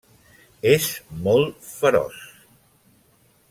És molt feroç.